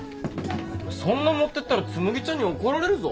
そんなに持ってったらつむぎちゃんに怒られるぞ。